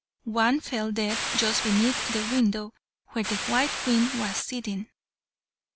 One fell dead just beneath the window where the white Queen was sitting.